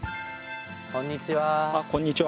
こんにちは。